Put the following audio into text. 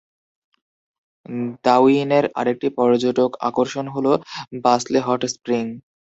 দাউইনের আরেকটি পর্যটক আকর্ষণ হল বাসলে হট স্প্রিং।